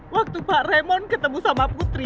waktu pak remon ketemu sama putri